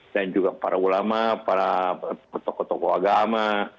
dan juga para ulama para tokoh tokoh agama